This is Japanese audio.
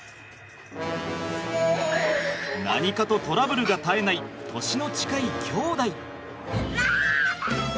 何かとトラブルが絶えない年の近いきょうだい。